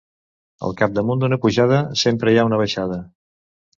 Al capdamunt d'una pujada sempre hi ha una baixada.